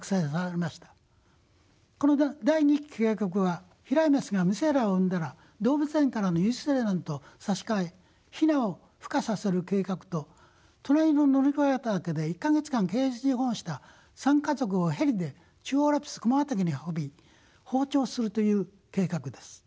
この第二期計画は飛来雌が無精卵を産んだら動物園からの有精卵と差し替え雛を孵化させる計画と隣の乗鞍岳で１か月間ケージ保護した３家族をヘリで中央アルプス駒ヶ岳に運び放鳥するという計画です。